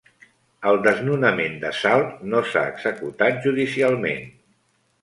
El desnonament de Salt no s'ha executat judicialment.